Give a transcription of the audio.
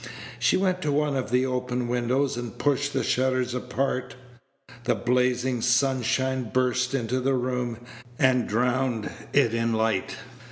She went to one of the open windows, and pushed the shutters apart. The blazing sunshine burst into the room, and drowned it in light.